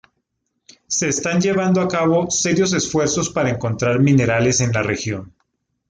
Se están llevando a cabo serios esfuerzos para encontrar minerales en la región.